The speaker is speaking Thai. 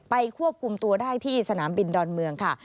ควบคุมตัวได้ที่สนามบินดอนเมืองค่ะ